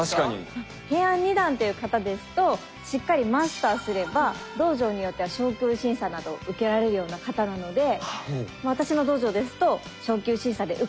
平安二段っていう形ですとしっかりマスターすれば道場によっては昇級審査などを受けられるような形なので私の道場ですと昇級審査で受かれば黄色帯とか。